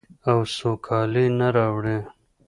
او سوکالي نه راوړي.